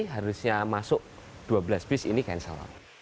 harusnya masuk dua belas bis ini cancel